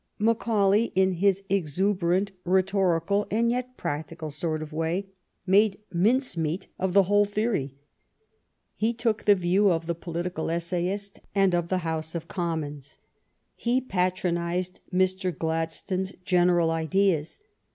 Macaulay, in his exuberant rhetorical and yet practical sort of way, made mince meat of the whole theory. He took the view of the political essayist and of the House of Commons. He pat ronized Mr. Gladstone's general ideas.